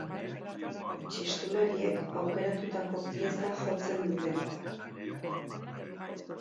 Txistulariek aukeratutako pieza jotzen dute.